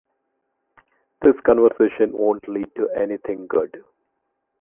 This conversation won’t lead to anything good.